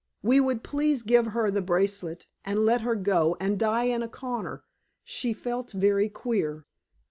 we would please give her the bracelet and let her go and die in a corner; she felt very queer.